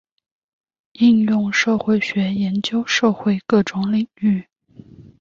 应用社会学研究社会各种领域。